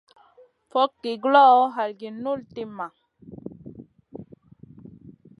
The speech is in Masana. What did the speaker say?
Fogki guloʼo, halgi guʼ nul timma.